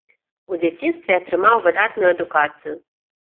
У дзяцінстве атрымаў выдатную адукацыю.